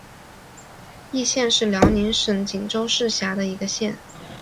义县是辽宁省锦州市下辖的一个县。